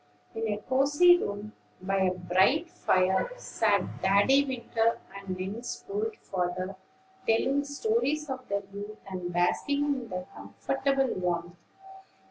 In a cosey room, by a bright fire, sat Daddy Winter and Nell's old father, telling stories of their youth, and basking in the comfortable warmth.